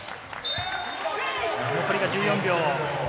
残りが１４秒。